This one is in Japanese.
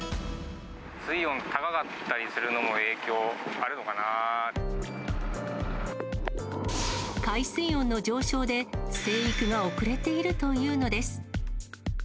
水温が高かったりするのも影海水温の上昇で、生育が遅れているというのです。